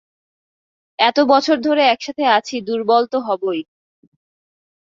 এত বছর ধরে একসাথে আছি দুর্বল তো হবই।